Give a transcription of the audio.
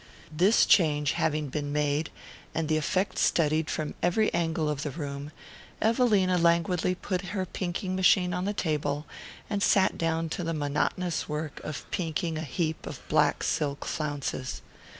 This change having been made, and the effect studied from every angle of the room, Evelina languidly put her pinking machine on the table, and sat down to the monotonous work of pinking a heap of black silk flounces.